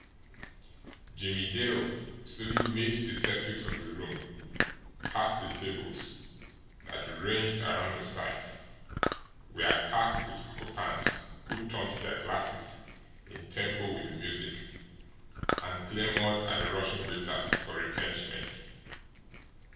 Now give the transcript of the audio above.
Jimmie Dale slowly made the circuit of the room past the tables, that, ranged around the sides, were packed with occupants who thumped their glasses in tempo with the music and clamoured at the rushing waiters for replenishment.